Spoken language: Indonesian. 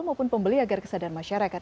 maupun pembeli agar kesadaran masyarakat